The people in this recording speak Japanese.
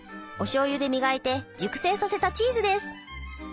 おしょうゆで磨いて熟成させたチーズです。